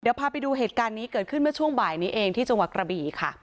เดี๋ยวพาไปดูเหตุการณ์นี้เกิดขึ้นเมื่อช่วงบ่ายนี้เองที่จังหวัดกระบี่ค่ะ